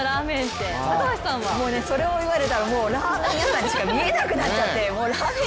もうそれを言われたらラーメン屋さんにしか見えなくなっちゃって。